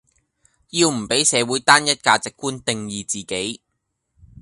要唔比社會單一價值觀定義自己